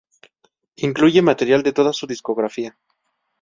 Incluye material de toda su discográfica.